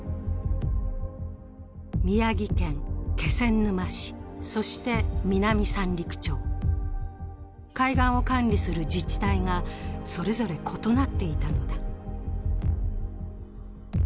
宮城県気仙沼市、そして南三陸町、海岸を管理する自治体がそれぞれ異なっていたのだ。